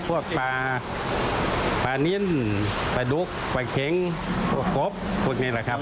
พวกปลาปลานินปลาดุกปลาเค็งพวกกบพวกนี้แหละครับ